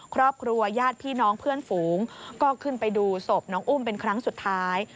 ครอบครัวญาติพี่น้องเพื่อนฝูงก็ขึ้นไปดูศพน้องอุ้มเป็นครั้งสุดท้าย